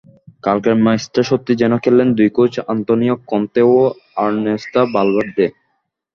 কালকের ম্যাচটা সত্যিই যেন খেললেন দুই কোচ অ্যান্তনীয় কন্তে ও আরনেস্তো ভালভার্দে।